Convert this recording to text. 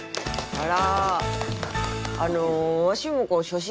あら！